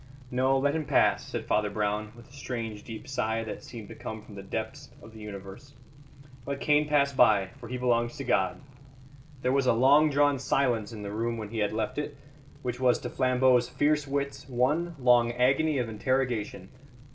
"No; let him pass," said Father Brown, with a strange deep sigh that seemed to come from the depths of the universe. "Let Cain pass by, for he belongs to God." There was a long drawn silence in the room when he had left it, which was to Flambeau's fierce wits one long agony of interrogation.